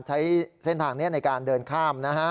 ใช้เส้นทางนี้ในการเดินข้ามนะฮะ